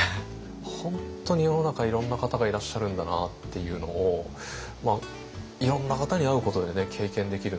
本当に世の中いろんな方がいらっしゃるんだなっていうのをいろんな方に会うことでね経験できるんで。